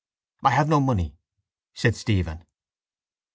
—I have no money, said Stephen.